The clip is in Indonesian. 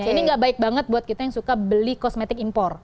ini gak baik banget buat kita yang suka beli kosmetik impor